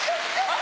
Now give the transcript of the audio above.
あ！